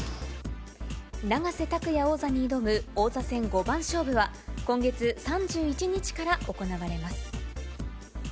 永瀬拓矢王座に挑む王座戦五番勝負は、今月３１日から行われます。